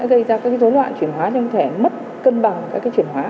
nó sẽ gây ra các cái rối loạn chuyển hóa trong cơ thể mất cân bằng các cái chuyển hóa